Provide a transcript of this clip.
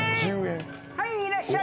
はいいらっしゃい。